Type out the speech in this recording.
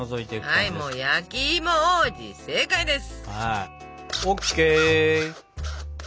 はい焼きいも王子正解です！